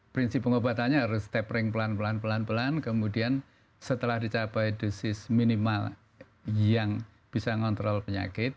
prinsip pengobatannya harus tapering pelan pelan pelan pelan kemudian setelah dicapai dosis minimal yang bisa ngontrol penyakit